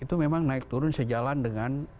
itu memang naik turun sejalan dengan